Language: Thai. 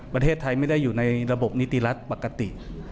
ประเทศไทยไม่ได้อยู่ในระบบนิติรัฐปกติ